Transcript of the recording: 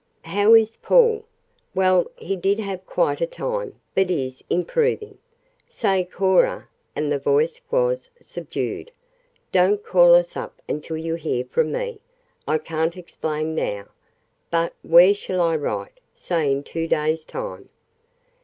"How is Paul?" "Well, he did have quite a time, but is improving. Say, Cora," and the voice was subdued, "don't call us up until you hear from me. I can't explain now. But where shall I write say in two days' time?"